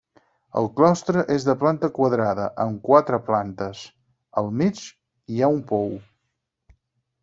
El claustre és de planta quadrada, amb quatre plantes; al mig, hi ha un pou.